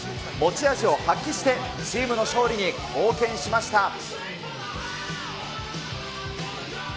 持ち味を発揮して、チームの勝利に貢献しました。